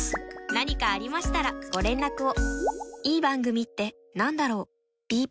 何かありましたらご連絡を。